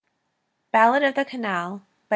y Ballad of the Canal [Ed.